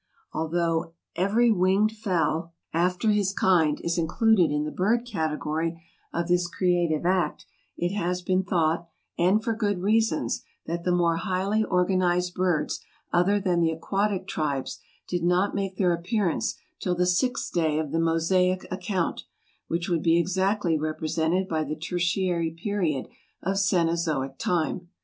Although "every winged fowl after his kind" is included in the bird category of this creative act, it has been thought, and for good reasons, that the more highly organized birds other than the aquatic tribes, did not make their appearance till the sixth day of the Mosaic account, which would be exactly represented by the Tertiary Period of Cenozoic Time.